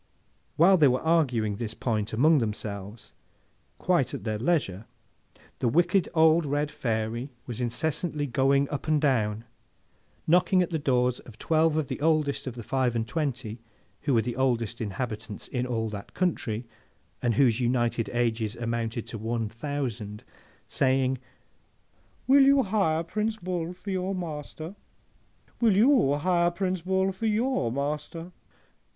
While they were arguing this point among themselves quite at their leisure, the wicked old red Fairy was incessantly going up and down, knocking at the doors of twelve of the oldest of the five and twenty, who were the oldest inhabitants in all that country, and whose united ages amounted to one thousand, saying, 'Will you hire Prince Bull for your master?—Will you hire Prince Bull for your master?